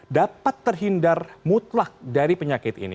dapat terhindar mutlak dari penyakit ini